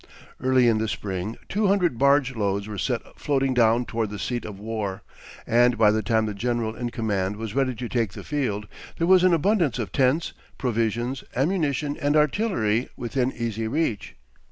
Early in the spring two hundred barge loads were set floating down toward the seat of war; and by the time the general in command was ready to take the field, there was an abundance of tents, provisions, ammunition, and artillery within easy reach.